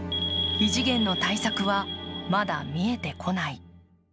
異次元の対策はまだ見えてこない。